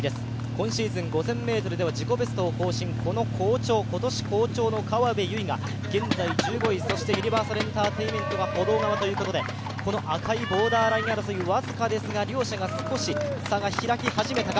今シーズン５０００ｍでは自己ベストを更新、今年好調の河辺友依が現在１５位、そしてユニバーサルエンターテインメントが歩道側ということで赤いボーダーライン争い、僅かですが両者が少し差が開き始めたか。